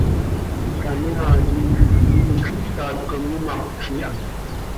Canoaa quih ipocj itac com imaptj iha.